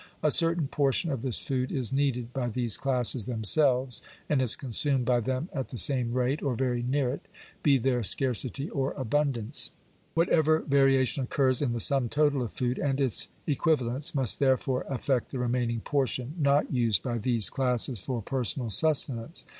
A certain portion of this food is needed by these classes themselves, and is consumed by them at the same rate, or very near it, be there scarcity or abundance. Whatever variation occurs in the sum total of food and its equi valents must therefore affect the remaining portion, not used by Digitized by VjOOQIC P00R LAW8. 827 these classes for personal sustenance.